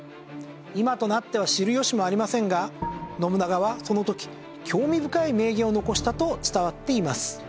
今となっては知る由もありませんが信長はその時興味深い名言を残したと伝わっています。